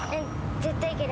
絶対いける。